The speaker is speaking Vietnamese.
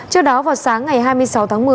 trước đó vào sáng ngày hai mươi sáu tháng một mươi